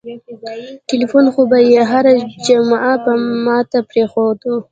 ټېلفون خو به يې هره جمعه ما ته پرېښووه.